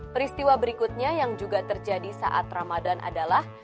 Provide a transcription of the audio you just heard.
peristiwa berikutnya yang juga terjadi saat ramadan adalah